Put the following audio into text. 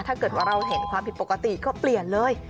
ถ้าเกิดว่าเราเห็นความผิดปกติก็เปลี่ยนเลย